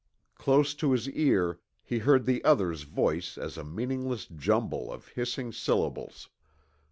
Close to his ear, he heard the other's voice as a meaningless jumble of hissing syllables.